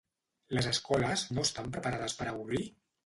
Les escoles no estan preparades per a obrir?